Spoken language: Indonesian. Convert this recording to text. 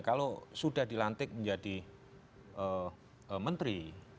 kalau sudah dilantik menjadi menteri